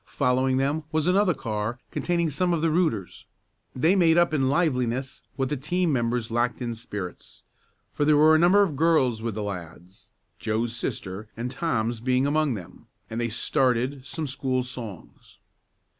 Following them was another car containing some of the "rooters." They made up in liveliness what the team members lacked in spirits, for there were a number of girls with the lads, Joe's sister and Tom's being among them, and they started some school songs.